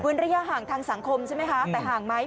ระยะห่างทางสังคมใช่ไหมคะแต่ห่างไหม